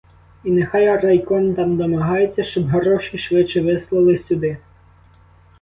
І нехай райком там домагається, щоб гроші швидше вислали сюди.